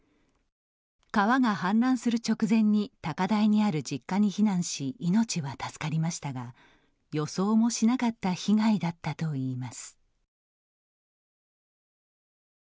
川が氾濫する直前に高台にある実家に避難し命は助かりましたが予想もしなかった被害だったといいます。